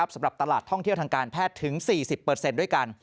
สำหรับตลาดท่องเที่ยวทางการแพทย์ถึง๔๐ด้วยกัน